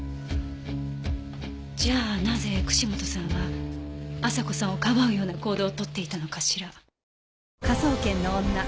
じゃあなぜ串本さんは朝子さんをかばうような行動を取っていたのかしら？